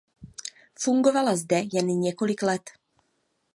Fungovala zde jen několik let.